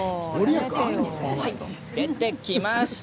出てきました。